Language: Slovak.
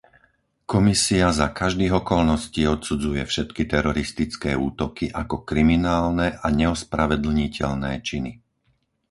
Komisia za každých okolností odsudzuje všetky teroristické útoky ako kriminálne a neospravedlniteľné činy.